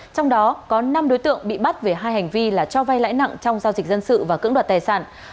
trong đó có năm đối tượng bị bắt về hai hành vi là cho vay lãi nặng trong giao dịch dân sự và cưỡng đoạt tài sản